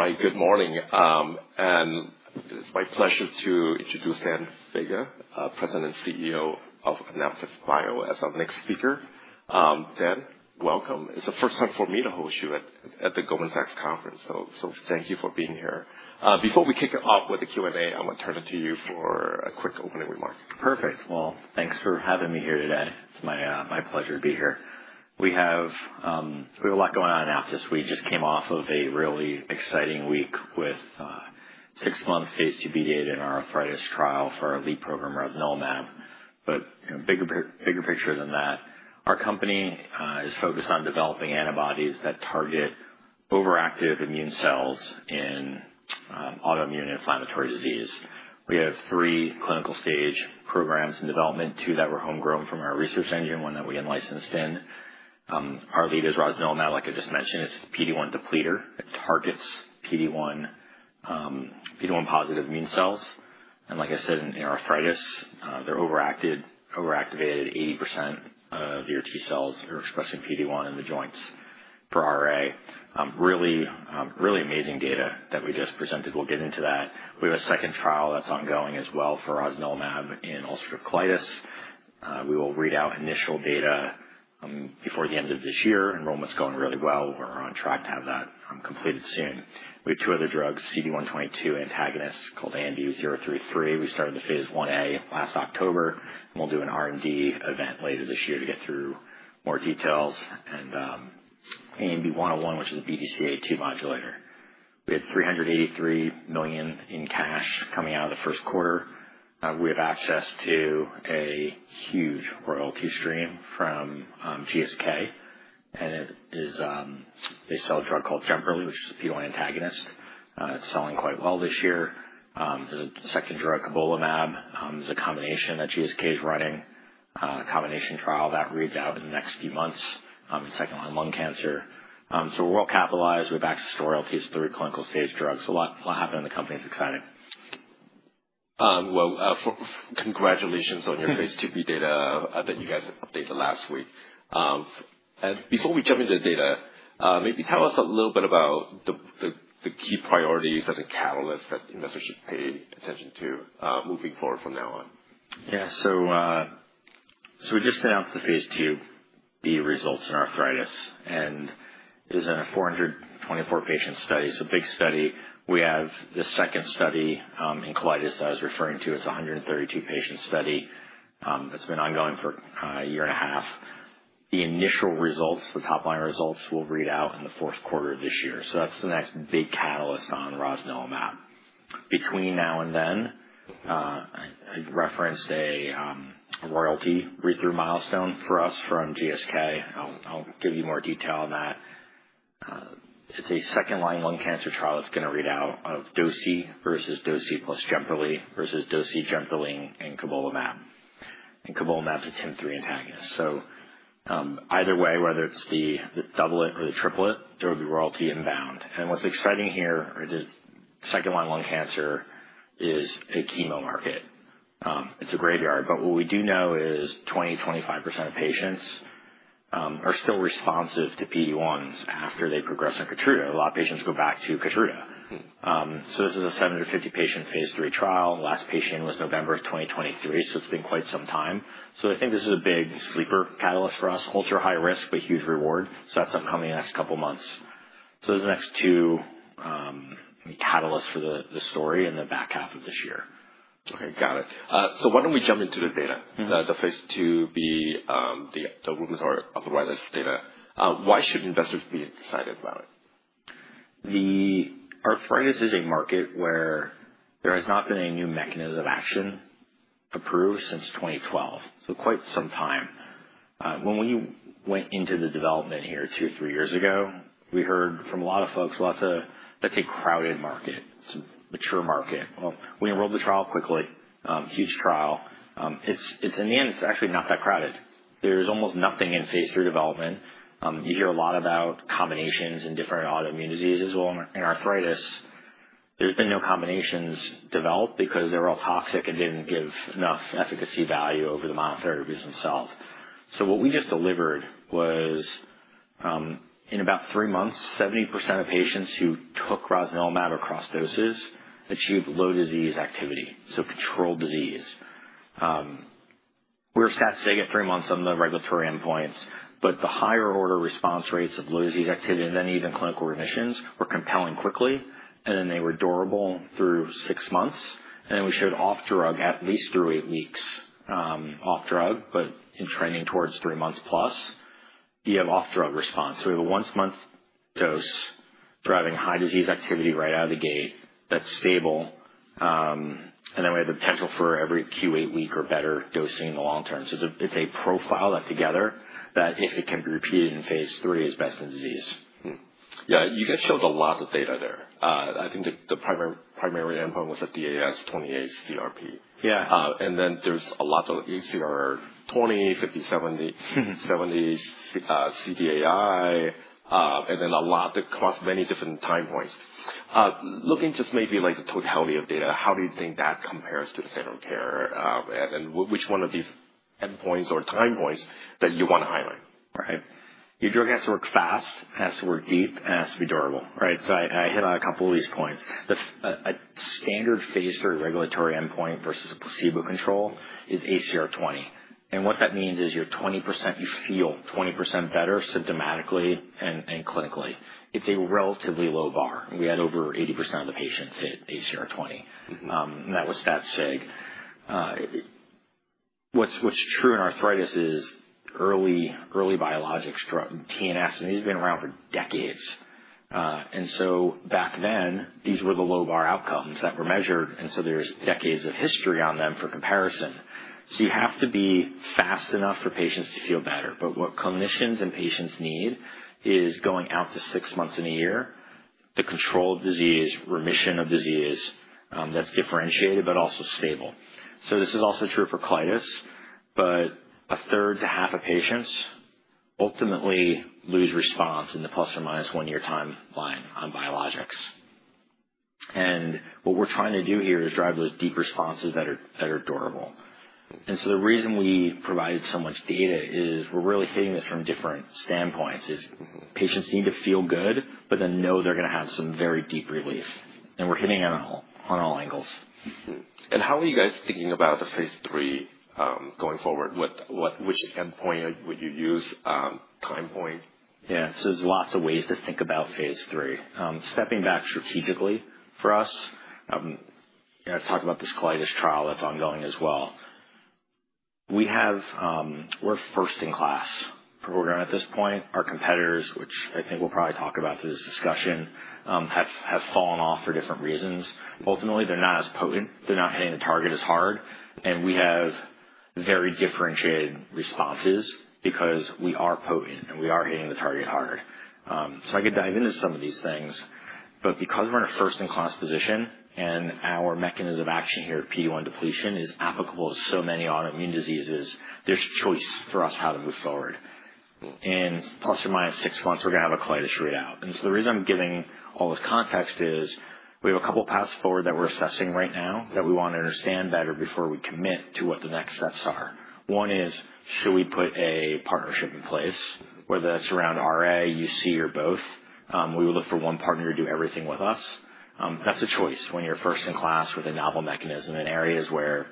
All right, good morning. It's my pleasure to introduce Daniel Faga, President and CEO of AnaptysBio, as our next speaker. Dan, welcome. It's the first time for me to host you at the Goldman Sachs Conference, so thank you for being here. Before we kick it off with the Q&A, I'm gonna turn it to you for a quick opening remark. Perfect. Thanks for having me here today. It's my pleasure to be here. We have a lot going on at AnaptysBio. We just came off of a really exciting week with six-month Phase 2b Data in our arthritis trial for our lead program rosnilimab. You know, bigger picture than that, our company is focused on developing antibodies that target overactive immune cells in autoimmune inflammatory disease. We have three clinical stage programs in development, two that were homegrown from our research engine, one that we unlicensed in. Our lead is rosnilimab, like I just mentioned. It's a PD-1 depleter. It targets PD-1, PD-1 positive immune cells. Like I said, in arthritis, they're overactivated, 80% of your T cells are expressing PD-1 in the joints per RA. Really amazing data that we just presented. We'll get into that. We have a second trial that's ongoing as well for rosnilimab in ulcerative colitis. We will read out initial data before the end of this year. Enrollment's going really well. We're on track to have that completed soon. We have two other drugs, CD122 antagonists called ANB033. We started the Phase 1a last October, and we'll do an R&D event later this year to get through more details. And, ANB101, which is a BDCA2 modulator. We had $383 million in cash coming out of the first quarter. We have access to a huge royalty stream from GSK, and it is, they sell a drug called Jemperli, which is a PD-1 antagonist. It's selling quite well this year. The second drug, cabiralizumab, is a combination that GSK is running, a combination trial that reads out in the next few months, in second-line lung cancer. So we're well-capitalized. We've accessed royalties to three clinical stage drugs. A lot, a lot happening in the company. It's exciting. Congratulations on your Phase 2b Data that you guys updated last week. Before we jump into the data, maybe tell us a little bit about the key priorities and the catalysts that investors should pay attention to moving forward from now on. Yeah, so we just announced the Phase 2b results in arthritis, and it is in a 424-patient study. It's a big study. We have the second study, in colitis that I was referring to. It's a 132-patient study, that's been ongoing for a year and a half. The initial results, the top-line results, we'll read out in the fourth quarter of this year. That's the next big catalyst on rosnilimab. Between now and then, I referenced a royalty read-through milestone for us from GSK. I'll give you more detail on that. It's a second-line lung cancer trial that's gonna read out of docetaxel versus docetaxel plus Jemperli versus docetaxel, Jemperli, and cabiralizumab. And cabiralizumab's a TIM-3 antagonist. Either way, whether it's the doublet or the triplet, there'll be royalty inbound. What's exciting here, or the second-line lung cancer, is a chemo market. It's a graveyard. What we do know is 20%-25% of patients are still responsive to PD-1s after they progress on KEYTRUDA. A lot of patients go back to KEYTRUDA. This is a 750-patient phase III trial. Last patient was November of 2023, so it's been quite some time. I think this is a big sleeper catalyst for us. Ultra-high risk, but huge reward. That's upcoming in the next couple of months. Those are the next two catalysts for the story in the back half of this year. Okay, got it. So why don't we jump into the data? Mm-hmm. The Phase 2b, the rules are otherwise as data. Why should investors be excited about it? The arthritis is a market where there has not been a new mechanism of action approved since 2012, so quite some time. When we went into the development here two or three years ago, we heard from a lot of folks, "Lots of that's a crowded market. It's a mature market." We enrolled the trial quickly. Huge trial. It's, it's in the end, it's actually not that crowded. There's almost nothing in phase III development. You hear a lot about combinations in different autoimmune diseases. In arthritis, there's been no combinations developed because they were all toxic and didn't give enough efficacy value over the monotherapies themselves. What we just delivered was, in about three months, 70% of patients who took rosnilimab across doses achieved low disease activity, so controlled disease. We were satisfied at three months on the regulatory endpoints, but the higher order response rates of low disease activity and then even clinical remissions were compelling quickly, and then they were durable through six months. Then we showed off-drug, at least through eight weeks, off-drug, but in trending towards three months plus, you have off-drug response. We have a once-month dose driving high disease activity right out of the gate that is stable, and then we have the potential for every q8 week or better dosing in the long term. It is a profile that together, that if it can be repeated in phase III, is best in disease. Yeah, you guys showed a lot of data there. I think the primary endpoint was the DAS28-CRP. Yeah. and then there's a lot of ACR20, 50, 70, 70s, CDAI, and then a lot across many different time points. Looking just maybe like the totality of data, how do you think that compares to the standard of care? And, and which one of these endpoints or time points that you wanna highlight? Right. Your drug has to work fast, has to work deep, and has to be durable, right? I hit on a couple of these points. A standard phase III regulatory endpoint versus a placebo control is ACR20. What that means is you are 20%, you feel 20% better symptomatically and clinically. It is a relatively low bar. We had over 80% of the patients hit ACR20. Mm-hmm. And that was that sig. What's true in arthritis is early, early biologics drug TNFs, and these have been around for decades. Back then, these were the low bar outcomes that were measured, and there's decades of history on them for comparison. You have to be fast enough for patients to feel better. What clinicians and patients need is going out to six months in a year to control disease, remission of disease, that's differentiated but also stable. This is also true for colitis, but a third to half of patients ultimately lose response in the plus or minus one-year timeline on biologics. What we're trying to do here is drive those deep responses that are durable. The reason we provided so much data is we're really hitting this from different standpoints. Patients need to feel good, but then know they're gonna have some very deep relief. We're hitting on all, on all angles. Mm-hmm. How are you guys thinking about the phase III, going forward? What, what, which endpoint would you use, time point? Yeah, so there's lots of ways to think about phase III. Stepping back strategically for us, you know, I talked about this colitis trial that's ongoing as well. We have, we're first-in-class program at this point. Our competitors, which I think we'll probably talk about through this discussion, have fallen off for different reasons. Ultimately, they're not as potent. They're not hitting the target as hard. And we have very differentiated responses because we are potent and we are hitting the target hard. I could dive into some of these things, but because we're in a first-in-class position and our mechanism of action here, PD-1 depletion, is applicable to so many autoimmune diseases, there's choice for us how to move forward. In plus or minus six months, we're gonna have a colitis readout. The reason I'm giving all this context is we have a couple of paths forward that we're assessing right now that we wanna understand better before we commit to what the next steps are. One is, should we put a partnership in place? Whether that's around RA, UC, or both, we would look for one partner to do everything with us. That's a choice when you're first in class with a novel mechanism in areas where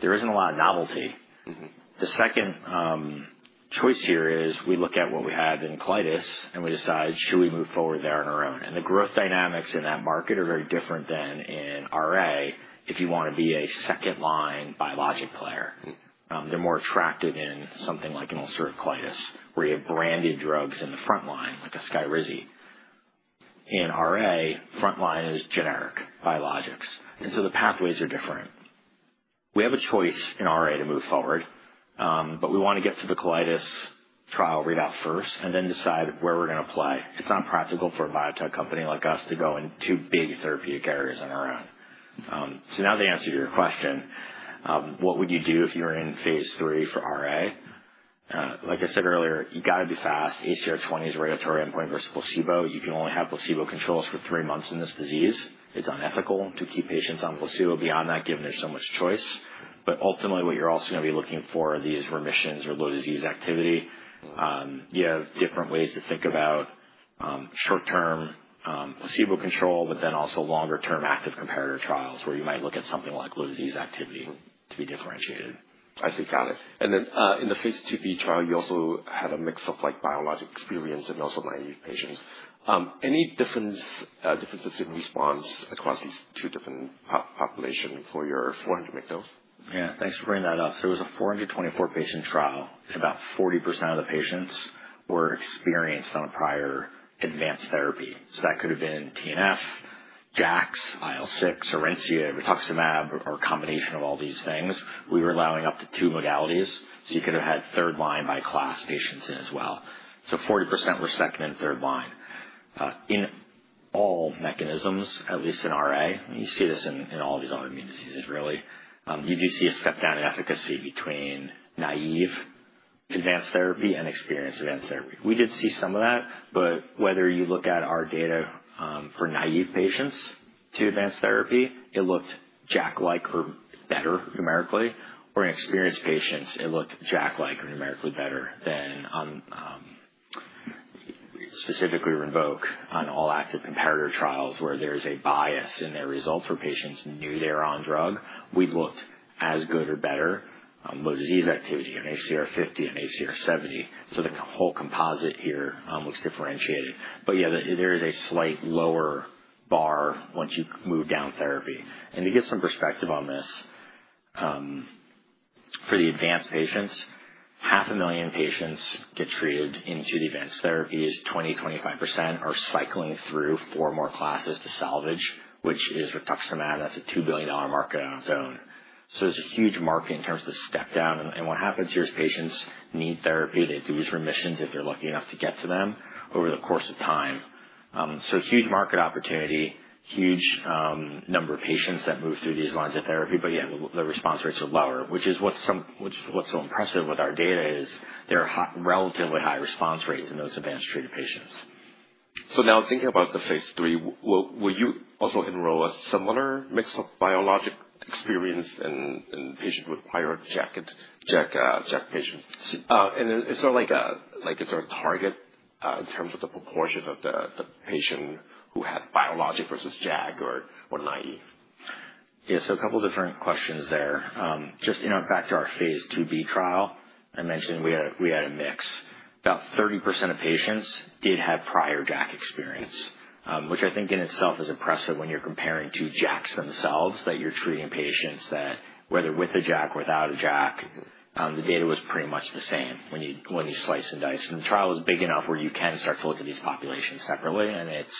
there isn't a lot of novelty. Mm-hmm. The second choice here is we look at what we have in colitis and we decide, should we move forward there on our own? The growth dynamics in that market are very different than in RA if you wanna be a second-line biologic player. They're more attractive in something like an ulcerative colitis where you have branded drugs in the front line, like a SKYRIZI. In RA, front line is generic biologics. The pathways are different. We have a choice in RA to move forward, but we wanna get to the colitis trial readout first and then decide where we're gonna play. It's not practical for a biotech company like us to go into big therapeutic areas on our own. Now the answer to your question, what would you do if you were in phase III for RA? Like I said earlier, you gotta be fast. ACR20 is a regulatory endpoint versus placebo. You can only have placebo controls for three months in this disease. It is unethical to keep patients on placebo beyond that given there is so much choice. Ultimately, what you are also gonna be looking for are these remissions or low disease activity. You have different ways to think about, short-term, placebo control, but then also longer-term active comparator trials where you might look at something like low disease activity to be differentiated. I see. Got it. In the Phase 2b trial, you also had a mix of biologic experience and also 90 patients. Any differences in response across these two different populations for your 400 mid-dose? Yeah, thanks for bringing that up. It was a 424-patient trial. About 40% of the patients were experienced on prior advanced therapy. That could have been TNF, JAKs, IL-6, Orencia, rituximab, or a combination of all these things. We were allowing up to two modalities, so you could have had third-line by class patients in as well. 40% were second and third line. In all mechanisms, at least in RA, and you see this in all these autoimmune diseases, really, you do see a step down in efficacy between naive advanced therapy and experienced advanced therapy. We did see some of that, but whether you look at our data, for naive patients to advanced therapy, it looked JAK-like or better numerically. In experienced patients, it looked JAK-like or numerically better than, specifically, RINVOQ on all active comparator trials where there's a bias in their results where patients knew they were on drug. We've looked as good or better, low disease activity on ACR 50 and ACR 70. The whole composite here looks differentiated. There is a slight lower bar once you move down therapy. To get some perspective on this, for the advanced patients, 500,000 patients get treated into the advanced therapies. 20%-25% are cycling through four more classes to salvage, which is rituximab. That's a $2 billion market on its own. There's a huge market in terms of the step down. What happens here is patients need therapy. They lose remissions if they're lucky enough to get to them over the course of time. Huge market opportunity, huge number of patients that move through these lines of therapy. Yeah, the response rates are lower, which is what's so impressive with our data is there are relatively high response rates in those advanced treated patients. Now thinking about the phase III, will you also enroll a similar mix of biologic experience in patients with prior JAK and JAK patients? Uh, and then is there like, like is there a target, in terms of the proportion of the, the patient who had biologic versus JAK or, or naive? Yeah, so a couple of different questions there. Just, you know, back to our Phase 2b trial, I mentioned we had a, we had a mix. About 30% of patients did have prior JAK experience, which I think in itself is impressive when you're comparing to JAKs themselves that you're treating patients that whether with a JAK or without a JAK, the data was pretty much the same when you, when you slice and dice. The trial was big enough where you can start to look at these populations separately, and it's,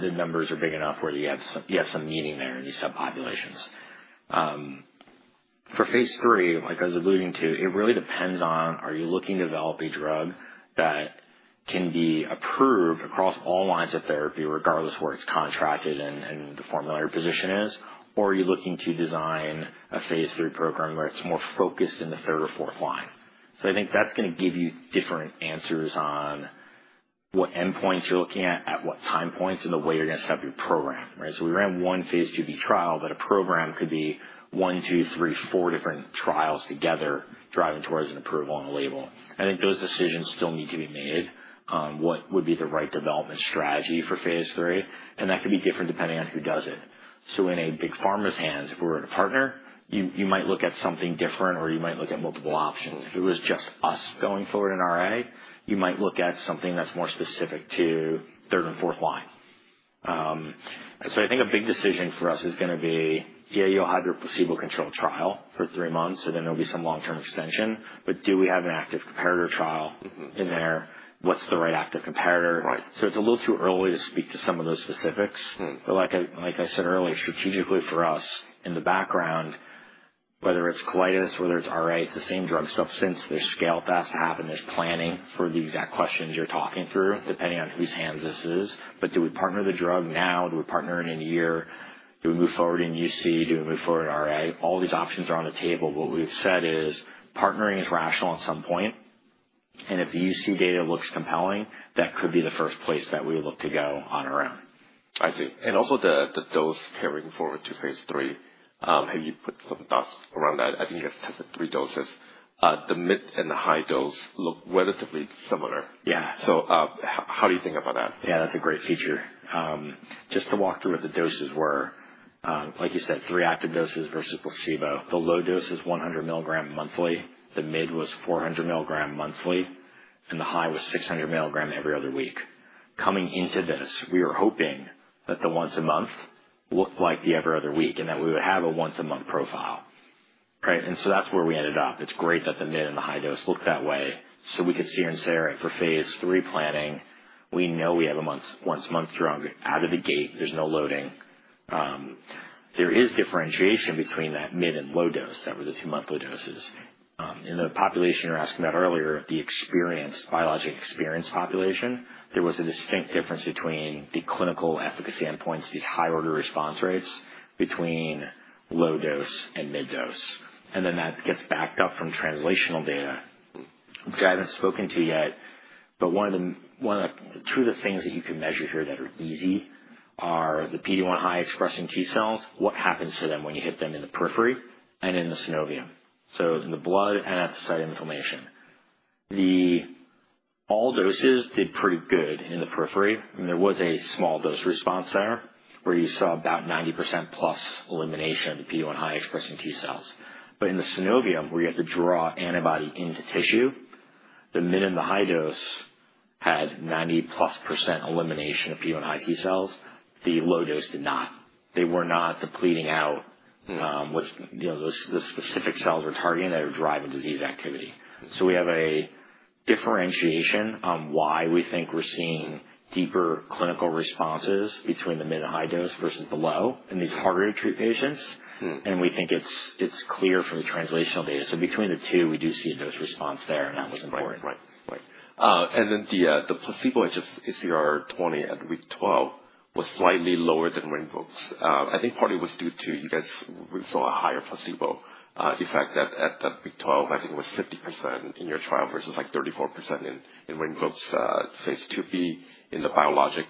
the numbers are big enough where you have some, you have some meaning there in these subpopulations. For phase III, like I was alluding to, it really depends on are you looking to develop a drug that can be approved across all lines of therapy regardless of where it's contracted and the formulary position is, or are you looking to design a phase III program where it's more focused in the third or fourth line? I think that's gonna give you different answers on what endpoints you're looking at, at what time points, and the way you're gonna set up your program, right? We ran one Phase 2b trial, but a program could be one, two, three, four different trials together driving towards an approval on a label. I think those decisions still need to be made, what would be the right development strategy for phase III, and that could be different depending on who does it. In a big pharma's hands, if we were to partner, you might look at something different or you might look at multiple options. If it was just us going forward in RA, you might look at something that's more specific to third and fourth line. I think a big decision for us is gonna be, yeah, you'll have your placebo control trial for three months, so then there'll be some long-term extension. Do we have an active comparator trial in there? What's the right active comparator? Right. It's a little too early to speak to some of those specifics. Like I said earlier, strategically for us in the background, whether it's colitis, whether it's RA, it's the same drug stuff since there's scale fast to happen. There's planning for the exact questions you're talking through depending on whose hands this is. Do we partner the drug now? Do we partner in a year? Do we move forward in UC? Do we move forward in RA? All these options are on the table. What we've said is partnering is rational at some point. If the UC data looks compelling, that could be the first place that we would look to go on our own. I see. Also, the dose carrying forward to phase III, have you put some thoughts around that? I think you guys tested three doses. The mid and the high dose look relatively similar. Yeah. How do you think about that? Yeah, that's a great feature. Just to walk through what the doses were, like you said, three active doses versus placebo. The low dose is 100 milligram monthly. The mid was 400 milligram monthly, and the high was 600 milligram every other week. Coming into this, we were hoping that the once a month looked like the every other week and that we would have a once a month profile, right? That's where we ended up. It's great that the mid and the high dose look that way. We could see in SARA for phase III planning, we know we have a once a month drug out of the gate. There's no loading. There is differentiation between that mid and low dose that were the two monthly doses. In the population you were asking about earlier, the experienced, biologic-experienced population, there was a distinct difference between the clinical efficacy endpoints, these high-order response rates, between low dose and mid dose. That gets backed up from translational data, which I haven't spoken to yet, but one of the, two of the things that you can measure here that are easy are the PD-1 high-expressing T cells. What happens to them when you hit them in the periphery and in the synovium? In the blood and at the site of inflammation. All doses did pretty good in the periphery. I mean, there was a small dose response there where you saw about 90% plus elimination of the PD-1 high-expressing T cells. In the synovium where you have to draw antibody into tissue, the mid and the high dose had 90+% elimination of PD-1 high T cells. The low dose did not. They were not depleting out, you know, those specific cells we're targeting that are driving disease activity. We have a differentiation on why we think we're seeing deeper clinical responses between the mid and high dose versus below in these harder to treat patients. We think it's clear from the translational data. Between the two, we do see a dose response there, and that was important. Right. Right. Right. And then the placebo ACR20 at week 12 was slightly lower than RINVOQ's. I think partly it was due to you guys saw a higher placebo effect at week 12. I think it was 50% in your trial versus like 34% in RINVOQ's Phase 2b in the biologic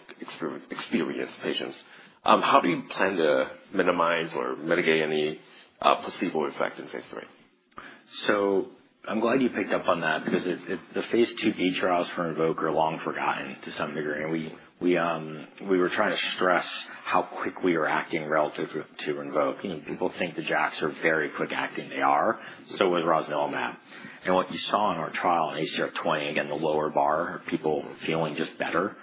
experienced patients. How do you plan to minimize or mitigate any placebo effect in phase III? I'm glad you picked up on that because the Phase 2b trials for RINVOQ are long forgotten to some degree. We were trying to stress how quick we were acting relative to RINVOQ. You know, people think the JAKs are very quick acting. They are. So was rosnilimab. What you saw in our trial on ACR20, again, the lower bar of people feeling just better,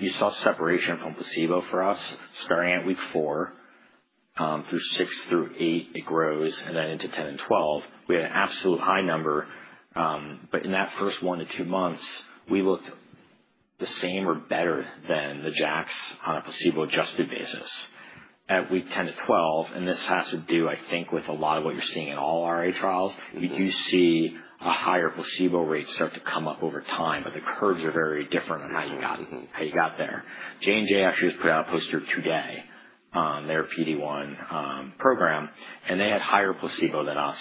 you saw separation from placebo for us starting at week four, through six, through eight, it grows, and then into 10 and 12. We had an absolute high number, but in that first one to two months, we looked the same or better than the JAKs on a placebo-adjusted basis. At week 10-12, and this has to do, I think, with a lot of what you're seeing in all RA trials. Mm-hmm. We do see a higher placebo rate start to come up over time, but the curves are very different on how you got. Mm-hmm. How you got there. J&J actually just put out a poster today, their PD-1 program, and they had higher placebo than us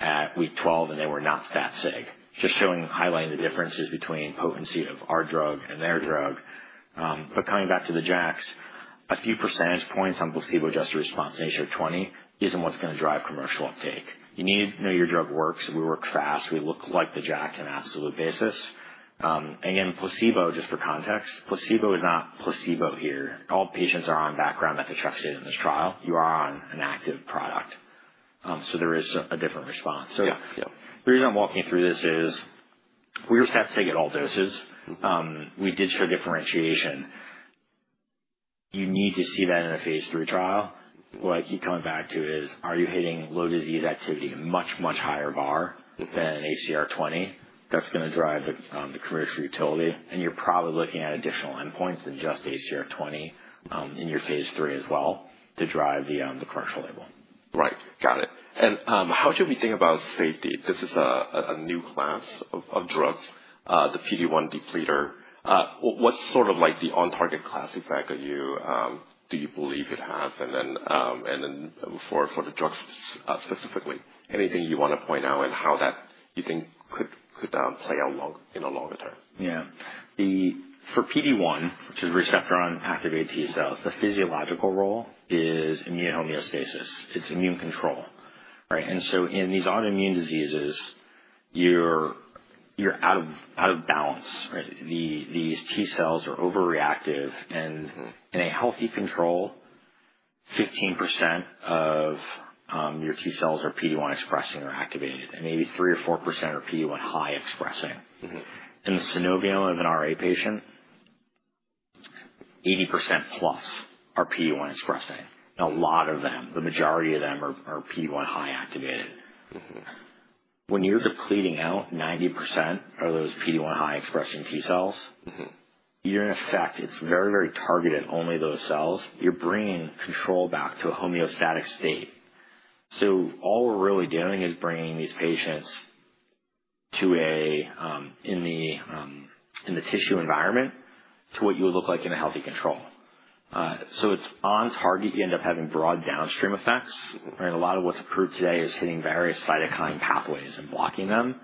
at week 12, and they were not that sick, just showing, highlighting the differences between potency of our drug and their drug. Coming back to the JAKs, a few percentage points on placebo-adjusted response in ACR20 isn't what's gonna drive commercial uptake. You need to know your drug works. We work fast. We look like the JAK on an absolute basis. Again, placebo, just for context, placebo is not placebo here. All patients are on background methotrexate in this trial. You are on an active product, so there is a different response. Yeah. Yeah. The reason I'm walking through this is we were stat-sig at all doses. Mm-hmm. We did show differentiation. You need to see that in a phase III trial. What I keep coming back to is are you hitting low disease activity, a much, much higher bar. Mm-hmm. Than an ACR20. That's gonna drive the, the commercial utility. You're probably looking at additional endpoints than just ACR20 in your phase III as well to drive the, the commercial label. Right. Got it. How do we think about safety? This is a new class of drugs, the PD-1 depleter. What is sort of like the on-target class effect that you believe it has? For the drugs specifically, anything you want to point out and how you think that could play out in the longer term? Yeah. For PD-1, which is receptor-on-activated T cells, the physiological role is immune homeostasis. It's immune control, right? In these autoimmune diseases, you're out of balance, right? These T cells are overreactive. In a healthy control, 15% of your T cells are PD-1 expressing or activated, and maybe 3% or 4% are PD-1 high expressing. Mm-hmm. In the synovium of an RA patient, 80% plus are PD-1 expressing. A lot of them, the majority of them are PD-1 high activated. Mm-hmm. When you're depleting out 90% of those PD-1 high expressing T cells. Mm-hmm. You're, in effect, it's very, very targeted, only those cells. You're bringing control back to a homeostatic state. All we're really doing is bringing these patients to a, in the, in the tissue environment, to what you would look like in a healthy control. It is on-target. You end up having broad downstream effects. Mm-hmm. Right? A lot of what's approved today is hitting various cytokine pathways and blocking them.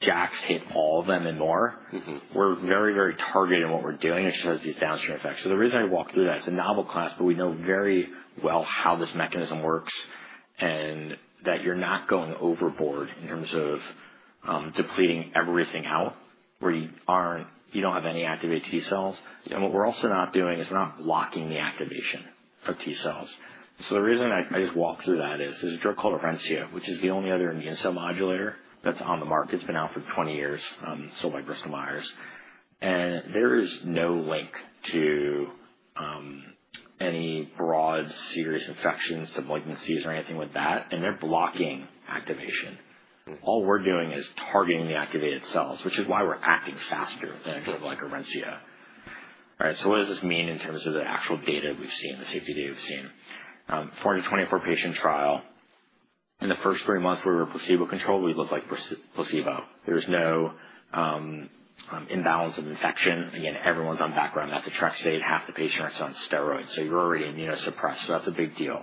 JAKs hit all of them and more. Mm-hmm. We're very, very targeted in what we're doing as far as these downstream effects. The reason I walk through that, it's a novel class, but we know very well how this mechanism works and that you're not going overboard in terms of depleting everything out where you aren't, you don't have any activated T cells. Yeah. What we're also not doing is we're not blocking the activation of T cells. The reason I just walked through that is there's a drug called ORENCIA, which is the only other immune cell modulator that's on the market. It's been out for 20 years, sold by Bristol Myers. There is no link to any broad serious infections to malignancies or anything with that, and they're blocking activation. Mm-hmm. All we're doing is targeting the activated cells, which is why we're acting faster than a drug like ORENCIA, right? What does this mean in terms of the actual data we've seen, the safety data we've seen? 424-patient trial. In the first three months where we were placebo-controlled, we looked like placebo. There was no imbalance of infection. Again, everyone's on background methotrexate. Half the patients are on steroids, so you're already immunosuppressed. That's a big deal.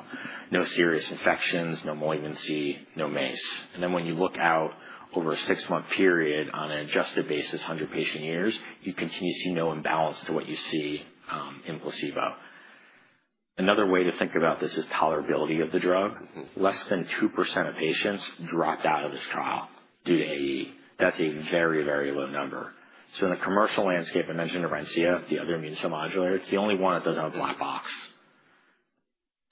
No serious infections, no malignancy, no MACE. When you look out over a six-month period on an adjusted basis, 100 patient-years, you continue to see no imbalance to what you see in placebo. Another way to think about this is tolerability of the drug. Mm-hmm. Less than two percent of patients dropped out of this trial due to AE. That's a very, very low number. In the commercial landscape, I mentioned ORENCIA, the other immune cell modulator. It's the only one that doesn't have a black box.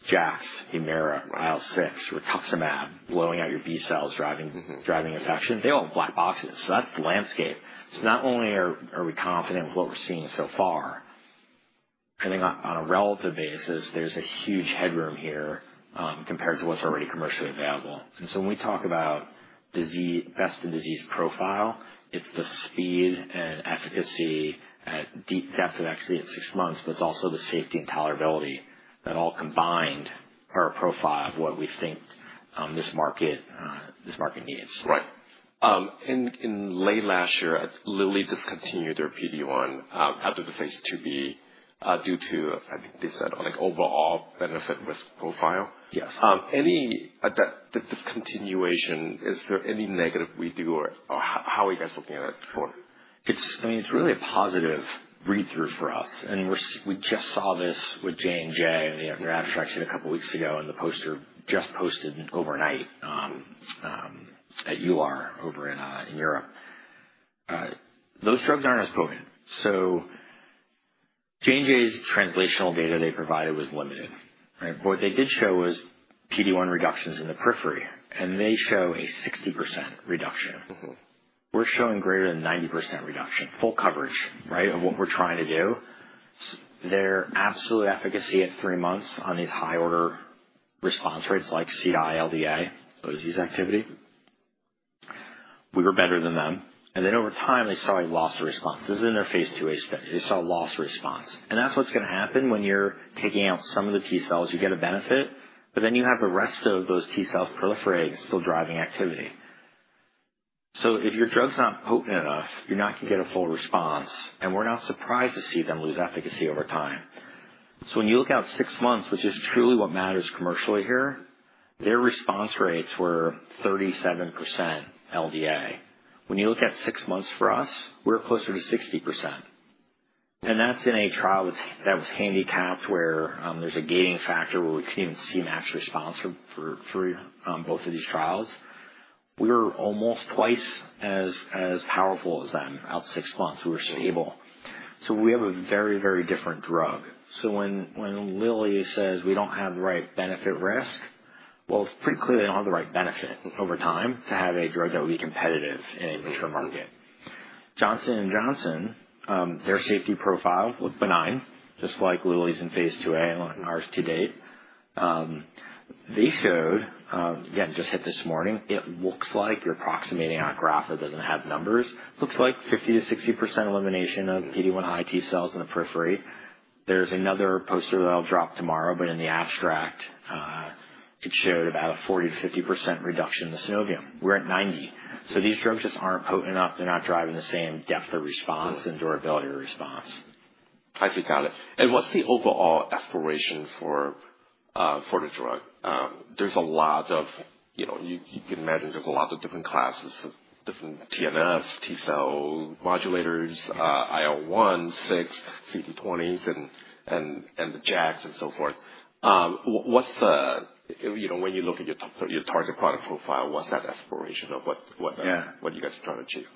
JAKs, HUMIRA, IL-6, rituximab, blowing out your B cells, driving. Mm-hmm. Driving infection. They all have black boxes. That's the landscape. Not only are we confident with what we're seeing so far, I think on a relative basis, there's a huge headroom here, compared to what's already commercially available. When we talk about best-in-disease profile, it's the speed and efficacy at deep depth of exit at six months, but it's also the safety and tolerability that all combined are a profile of what we think this market needs. Right. In late last year, Lilly discontinued their PD-1, out of the Phase 2b, due to, I think they said, like, overall benefit risk profile. Yes. Any of that, the discontinuation, is there any negative review or, or how are you guys looking at it for? It's, I mean, it's really a positive read-through for us. I mean, we're, we just saw this with J&J and the, you know, abstract a couple weeks ago, and the poster just posted overnight, at EULAR over in, in Europe. Those drugs aren't as potent. So J&J's translational data they provided was limited, right? But what they did show was PD-1 reductions in the periphery, and they show a 60% reduction. Mm-hmm. We're showing greater than 90% reduction, full coverage, right, of what we're trying to do. Their absolute efficacy at three months on these high order response rates like CDAI, LDA, those use activity. We were better than them. And then over time, they saw a loss of response. This is in their phase 2a study. They saw a loss of response. That's what's gonna happen when you're taking out some of the T cells. You get a benefit, but then you have the rest of those T cells proliferating and still driving activity. If your drug's not potent enough, you're not gonna get a full response. We're not surprised to see them lose efficacy over time. When you look out six months, which is truly what matters commercially here, their response rates were 37% LDA. When you look at six months for us, we're closer to 60%. And that's in a trial that was handicapped where there's a gating factor where we couldn't even see matched response for both of these trials. We were almost twice as powerful as them out six months. We were stable. We have a very, very different drug. When Lilly says we don't have the right benefit risk, it's pretty clear they don't have the right benefit. Mm-hmm. Over time to have a drug that would be competitive in a mature market. Mm-hmm. Johnson & Johnson, their safety profile looked benign, just like Lilly's in phase 2a and ours to date. They showed, again, just hit this morning, it looks like you're approximating a graph that doesn't have numbers. Looks like 50-60% elimination of PD-1 high T cells in the periphery. There's another poster that'll drop tomorrow, but in the abstract, it showed about a 40-50% reduction in the synovium. We're at 90%. These drugs just aren't potent enough. They're not driving the same depth of response and durability of response. I see. Got it. And what's the overall aspiration for the drug? There's a lot of, you know, you can imagine there's a lot of different classes of different TNFs, T cell modulators, IL-1, IL-6, CD20s, and the JAKs and so forth. What’s the, you know, when you look at your target product profile, what's that aspiration of what, what? Yeah. What are you guys trying to achieve?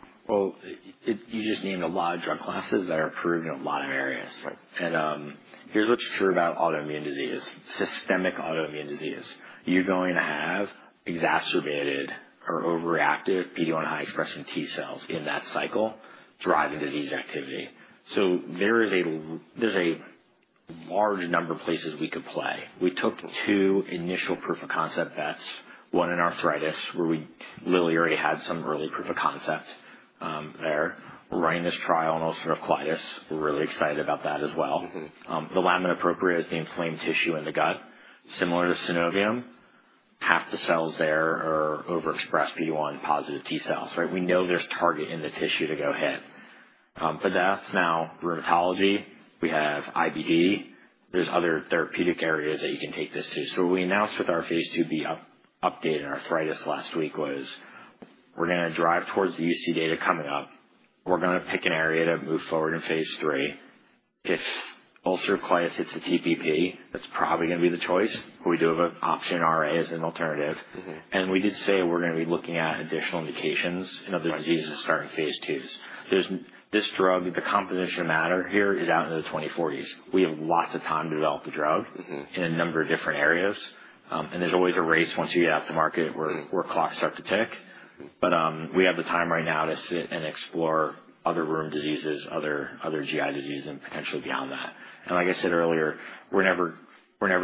It, you just named a lot of drug classes that are approved in a lot of areas. Right. Here's what's true about autoimmune disease, systemic autoimmune disease. You're going to have exacerbated or overreactive PD-1 high expressing T cells in that cycle driving disease activity. There is a large number of places we could play. We took two initial proof of concept bets, one in arthritis where Lilly already had some early proof of concept there. We're running this trial on ulcerative colitis. We're really excited about that as well. Mm-hmm. The lamina propria is the inflamed tissue in the gut, similar to synovium. Half the cells there are overexpressed PD-1 positive T cells, right? We know there's target in the tissue to go hit. That's now rheumatology. We have IBD. There's other therapeutic areas that you can take this to. What we announced with our Phase 2b update in arthritis last week was we're gonna drive towards the UC data coming up. We're gonna pick an area to move forward in phase III. If ulcerative colitis hits the TPP, that's probably gonna be the choice. We do have an option in RA as an alternative. Mm-hmm. We did say we're gonna be looking at additional indications in other diseases starting phase IIs. There's this drug, the composition of matter here is out in the 2040s. We have lots of time to develop the drug. Mm-hmm. In a number of different areas, and there's always a race once you get out to market where. Mm-hmm. Where clocks start to tick. Mm-hmm. We have the time right now to sit and explore other rheum diseases, other GI diseases, and potentially beyond that. Like I said earlier, we're never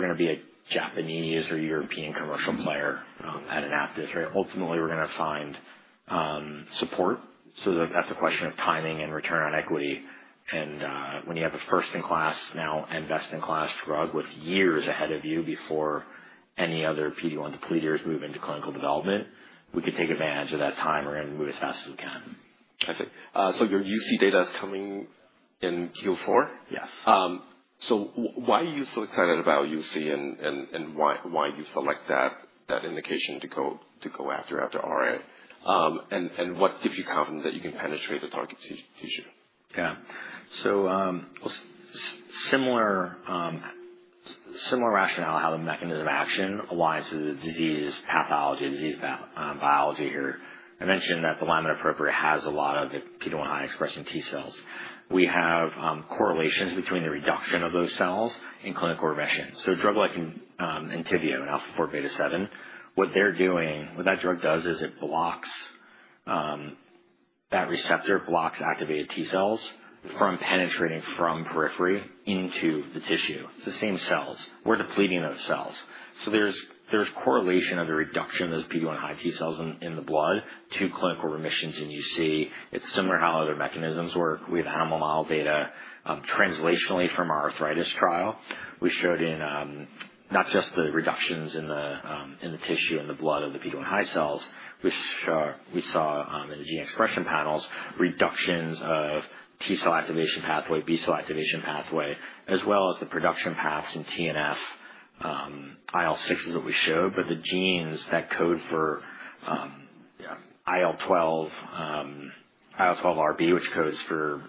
gonna be a Japanese or European commercial player at Anaptys, right? Ultimately, we're gonna find support. That is a question of timing and return on equity. When you have a first-in-class now and best-in-class drug with years ahead of you before any other PD-1 depleters move into clinical development, we could take advantage of that time. We're gonna move as fast as we can. I see. So your UC data is coming in Q4? Yes. Why are you so excited about UC, and why you select that indication to go after RA? What gives you confidence that you can penetrate the target tissue? Yeah. Similar rationale how the mechanism of action aligns to the disease pathology, disease path, biology here. I mentioned that the lamina propria has a lot of the PD-1 high expressing T cells. We have correlations between the reduction of those cells in clinical remission. A drug like ENTYVIO, Enfaport Beta-7, what they're doing, what that drug does is it blocks that receptor, blocks activated T cells from penetrating from periphery into the tissue. It's the same cells. We're depleting those cells. There's correlation of the reduction of those PD-1 high T cells in the blood to clinical remissions in UC. It's similar how other mechanisms work. We have animal model data, translationally from our arthritis trial. We showed in not just the reductions in the tissue and the blood of the PD-1 high cells. We saw, in the gene expression panels, reductions of T cell activation pathway, B cell activation pathway, as well as the production paths in TNF, IL-6 is what we showed, but the genes that code for IL-12, IL-12 RB, which codes for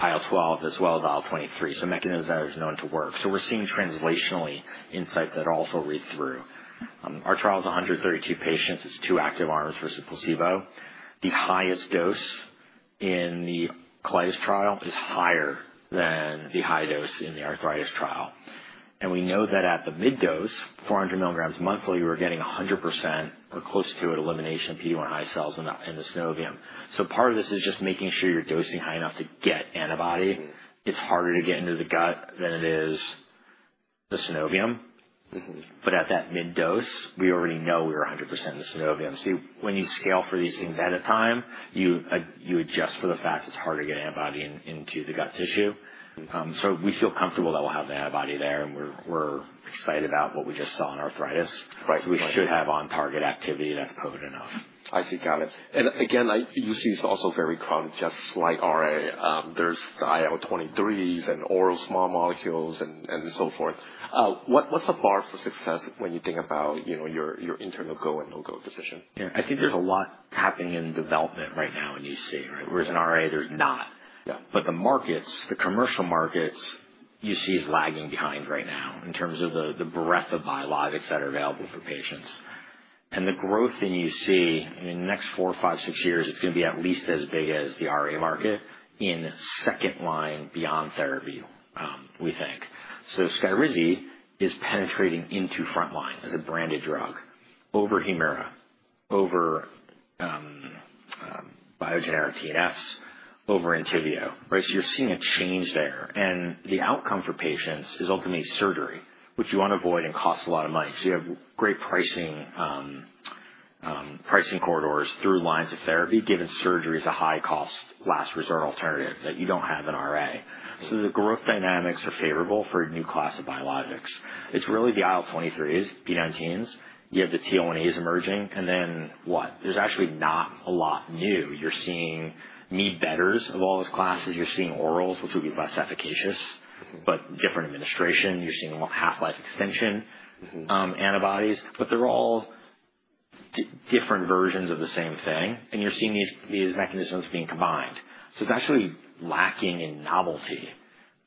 IL-12 as well as IL-23. So mechanisms that are known to work. We're seeing translationally insight that also read through. Our trial's 132 patients. It's two active arms versus placebo. The highest dose in the colitis trial is higher than the high dose in the arthritis trial. We know that at the mid-dose, 400 milligrams monthly, we're getting 100% or close to elimination of PD-1 high cells in the synovium. Part of this is just making sure you're dosing high enough to get antibody. Mm-hmm. It's harder to get into the gut than it is the synovium. Mm-hmm. At that mid-dose, we already know we're 100% in the synovium. See, when you scale for these things ahead of time, you adjust for the fact it's harder to get antibody into the gut tissue. Mm-hmm. We feel comfortable that we'll have the antibody there, and we're excited about what we just saw in arthritis. Right. We should have on-target activity that's potent enough. I see. Got it. I UC is also very crowded, just like RA. There's the IL-23s and oral small molecules and so forth. What, what's the bar for success when you think about, you know, your internal go and no-go decision? Yeah. I think there's a lot happening in development right now in UC, right? Mm-hmm. Whereas in RA, there's not. Yeah. The markets, the commercial markets, UC is lagging behind right now in terms of the breadth of biologics that are available for patients. The growth in UC, in the next four, five, six years, it's gonna be at least as big as the RA market in second line beyond therapy, we think. SKYRIZI is penetrating into front line as a branded drug over HUMIRA, over biogenetic TNFs, over ENTYVIO, right? You're seeing a change there. The outcome for patients is ultimately surgery, which you want to avoid and costs a lot of money. You have great pricing, pricing corridors through lines of therapy given surgery is a high-cost last resort alternative that you do not have in RA. Mm-hmm. The growth dynamics are favorable for a new class of biologics. It's really the IL-23s, B19s. You have the T1As emerging, and then what? There's actually not a lot new. You're seeing knee-betters of all those classes. You're seeing orals, which would be less efficacious. Mm-hmm. Different administration. You're seeing half-life extension. Mm-hmm. Antibodies, but they're all different versions of the same thing. You're seeing these mechanisms being combined. It's actually lacking in novelty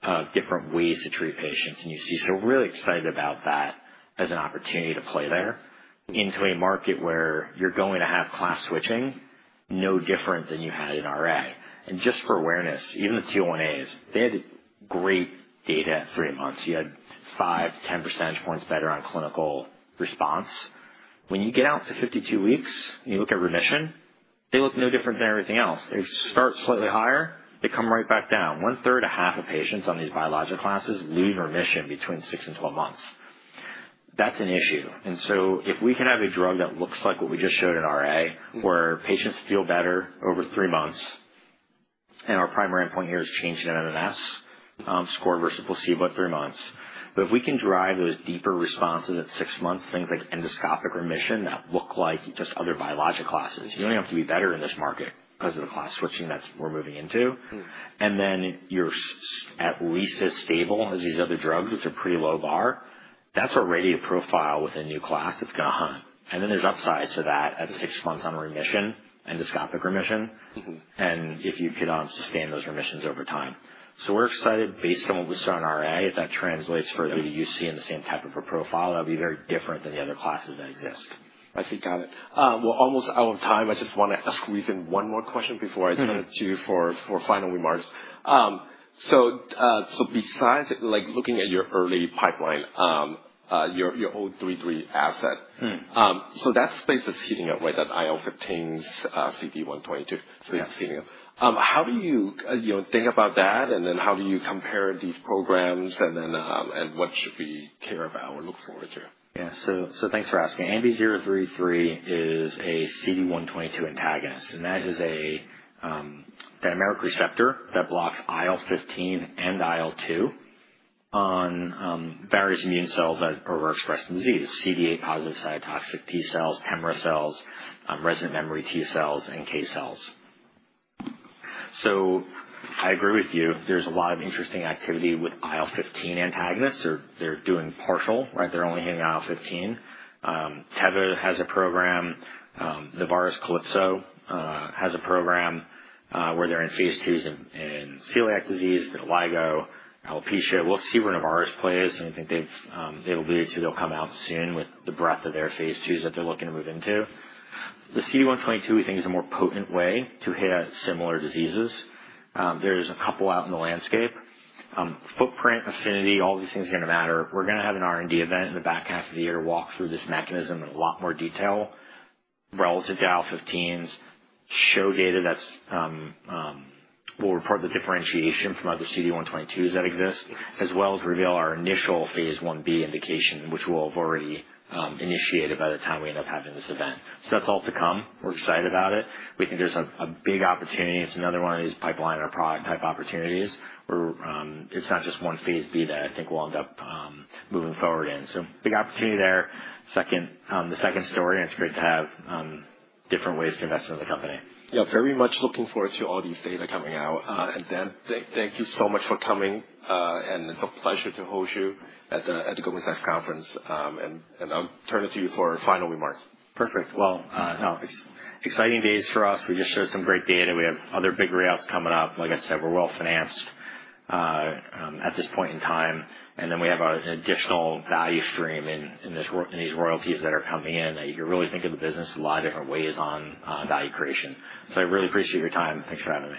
of different ways to treat patients in UC. We're really excited about that as an opportunity to play there into a market where you're going to have class switching no different than you had in RA. Just for awareness, even the T1As, they had great data at three months. You had 5-10 percentage points better on clinical response. When you get out to 52 weeks and you look at remission, they look no different than everything else. They start slightly higher. They come right back down. One-third to half of patients on these biologic classes lose remission between 6 and 12 months. That's an issue. If we can have a drug that looks like what we just showed in RA. Mm-hmm. Where patients feel better over three months, and our primary endpoint here is change in MMS score versus placebo at three months. If we can drive those deeper responses at six months, things like endoscopic remission that look like just other biologic classes, you only have to be better in this market because of the class switching that we're moving into. Mm-hmm. You're at least as stable as these other drugs, which are a pretty low bar. That's already a profile with a new class that's gonna hunt. There's upsides to that at six months on remission, endoscopic remission. Mm-hmm. If you could, sustain those remissions over time. We are excited based on what we saw in RA that translates for. Mm-hmm. The UC in the same type of a profile that'll be very different than the other classes that exist. I see. Got it. We're almost out of time. I just wanna squeeze in one more question before I turn it to you for final remarks. So, besides, like, looking at your early pipeline, your O33 asset. So that space is heating up, right, that IL-15s, CD122. Yeah. It's heating up. How do you, you know, think about that, and then how do you compare these programs, and then, and what should we care about or look forward to? Yeah. So, thanks for asking. ANB033 is a CD122 antagonist, and that is a dynamic receptor that blocks IL-15 and IL-2 on various immune cells that are expressed in disease: CD8-positive cytotoxic T cells, TEMRA cells, resident memory T cells, and NK cells. I agree with you. There's a lot of interesting activity with IL-15 antagonists. They're doing partial, right? They're only hitting IL-15. Teva has a program. Novartis Calypso has a program, where they're in phase IIs in celiac disease, vitiligo, alopecia. We'll see where Novartis plays, and we think they've alluded to they'll come out soon with the breadth of their phase IIs that they're looking to move into. The CD122 we think is a more potent way to hit at similar diseases. There's a couple out in the landscape. Footprint, affinity, all these things are gonna matter. We're gonna have an R&D event in the back half of the year to walk through this mechanism in a lot more detail relative to IL-15s, show data that will report the differentiation from other CD122s that exist, as well as reveal our initial Phase 1b indication, which we'll have already initiated by the time we end up having this event. That's all to come. We're excited about it. We think there's a big opportunity. It's another one of these pipeline or product-type opportunities where it's not just one phase B that I think we'll end up moving forward in. Big opportunity there. Second, the second story, and it's great to have different ways to invest in the company. Yeah. Very much looking forward to all these data coming out. Thank you so much for coming. It's a pleasure to host you at the Goldman Sachs Conference. I'll turn it to you for final remarks. Perfect. No, exciting days for us. We just showed some great data. We have other big readouts coming up. Like I said, we're well financed at this point in time. We have an additional value stream in these royalties that are coming in that you can really think of the business a lot of different ways on value creation. I really appreciate your time. Thanks for having me.